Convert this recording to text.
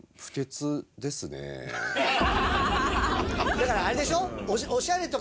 だからあれでしょ？